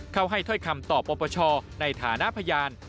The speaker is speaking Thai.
เข้าให้ถ้อยคำต่อปปชในฐานะพยาน